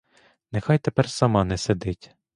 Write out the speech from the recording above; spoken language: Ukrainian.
Нехай тепер сама не сидить.